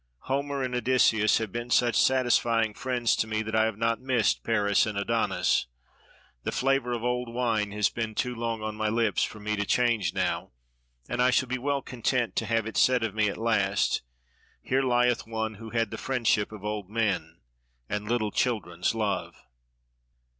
Homer and Odysseus have been such satisfying friends to me that I have not missed Paris and Adonis. The flavor of old wine has been too long on my lips for me to change now, and I shall be well content to have it said of me at last: 'Here lieth one who had the friendship of old men and little children's love.'